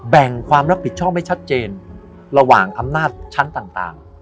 ความรับผิดชอบให้ชัดเจนระหว่างอำนาจชั้นต่าง